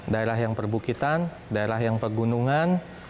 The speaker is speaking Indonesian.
daerah yang perbukitan daerah yang pegunungan